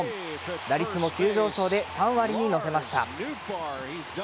打率も急上昇で３割に乗せました。